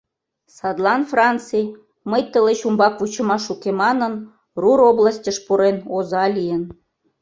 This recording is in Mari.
Садлан Франций, «мый тылеч умбак вучымаш уке» манын, Рур областьыш пурен, оза лийын.